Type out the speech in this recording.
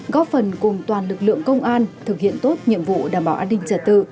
góp phần cùng toàn lực lượng công an thực hiện tốt nhiệm vụ đảm bảo an ninh trật tự